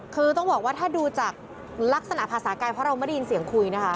คือต้องบอกว่าถ้าดูจากลักษณะภาษากายเพราะเราไม่ได้ยินเสียงคุยนะคะ